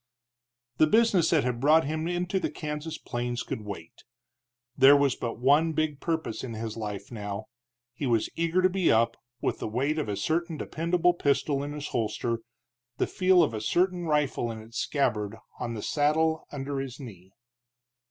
The business that had brought him into the Kansas plains could wait; there was but one big purpose in his life now. He was eager to be up, with the weight of a certain dependable pistol in his holster, the feel of a certain rifle in its scabbard on the saddle under his knee.